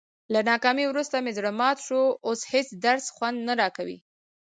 له ناکامۍ ورسته مې زړه مات شو، اوس هېڅ درس خوند نه راکوي.